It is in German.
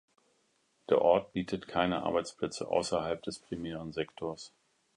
Der Ort bietet keine Arbeitsplätze ausserhalb des primären Sektors.